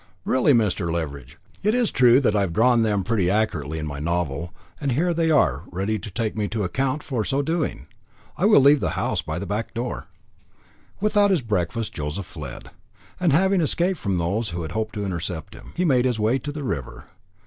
"Really," said Mr. Leveridge, "I cannot encounter those three. It is true that I have drawn them pretty accurately in my novel, and here they are ready to take me to account for so doing. I will leave the house by the back door." Without his breakfast, Joseph fled; and having escaped from those who had hoped to intercept him, he made his way to the river.